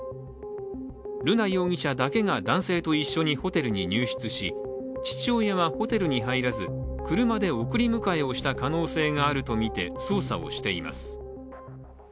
瑠奈容疑者だけが男性と一緒にホテルに入室し父親はホテルに入らず車で送り迎えをした可能性があるとみて、捜査をしています。